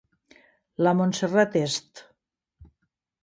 La Montserrat est